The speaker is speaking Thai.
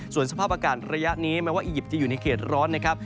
ส่วนสภาพอากาศระยะนี้แม้ว่าอียิปต์จะอยู่ในเขตร้อนนะครับ